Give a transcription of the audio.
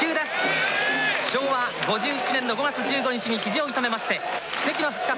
昭和５７年の５月１５日に肘を痛めまして奇跡の復活。